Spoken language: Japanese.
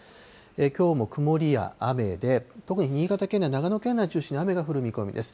きょうも曇りや雨で、特に新潟県内、長野県内を中心に雨が降る見込みです。